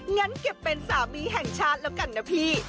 งั้นเก็บเป็นสามีแห่งชาติแล้วกันนะพี่